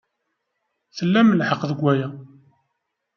Tlam lḥeqq deg waya.